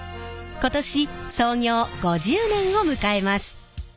今年創業５０年を迎えます。